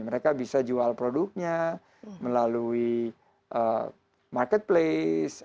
mereka bisa jual produknya melalui marketplace